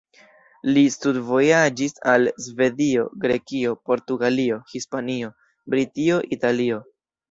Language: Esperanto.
Li studvojaĝis al Svedio, Grekio, Portugalio, Hispanio, Britio, Italio.